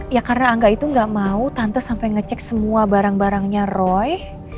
ya karena angga itu nggak mau tante sampai ngecek semua barang barangnya roy